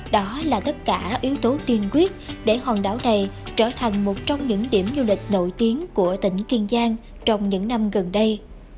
đó là tất cả yếu tố tiên quyết để hòn đảo này trở thành một trong những điểm du lịch nổi tiếng của tỉnh kiên giang trong những năm gần đây